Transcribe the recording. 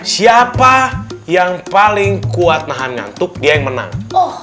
siapa yang paling kuat nahan ngantuk dia yang menang